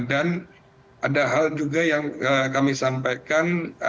dan ada hal juga yang kami sampaikan